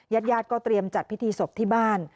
ญาติญาติก็เตรียมจัดพิธีศพที่บ้าน